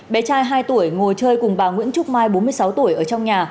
bé trai hai tuổi ngồi chơi cùng bà nguyễn trúc mai bốn mươi sáu tuổi ở trong nhà